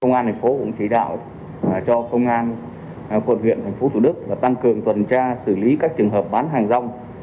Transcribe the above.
công an tp hcm cũng chỉ đạo cho công an tp hcm và tăng cường tuần tra xử lý các trường hợp bán hàng rong